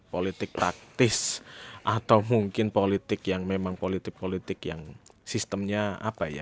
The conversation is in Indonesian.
politik taktis atau mungkin politik yang memang politik politik yang sistemnya apa ya